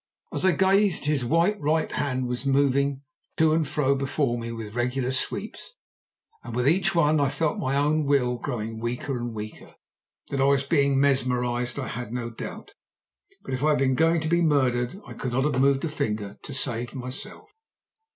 As I gazed his white right hand was moving to and fro before me with regular sweeps, and with each one I felt my own will growing weaker and weaker. That I was being mesmerized, I had no doubt, but if I had been going to be murdered I could not have moved a finger to save myself.